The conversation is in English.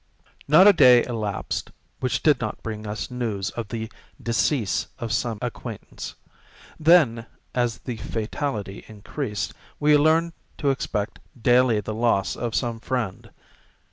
Not a day elapsed which did not bring us news of the decease of some acquaintance. Then as the fatality increased, we learned to expect daily the loss of some friend.